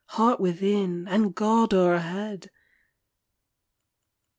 Heart within, and God o'erhead